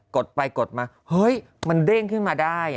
ดไปกดมาเฮ้ยมันเด้งขึ้นมาได้